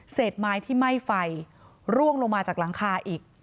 ไม้ที่ไหม้ไฟร่วงลงมาจากหลังคาอีก